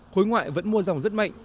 khối ngoại vẫn mua dòng rất mạnh